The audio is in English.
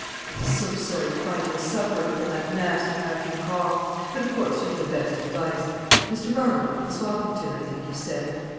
"I am so sorry to find you a sufferer from that nasty hacking cough; but of course you have the best advice, Mr. Barlow from Swampington, I think you said?"